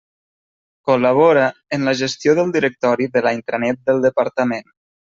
Col·labora en la gestió del directori de la intranet del Departament.